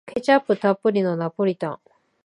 ケチャップたっぷりのナポリタン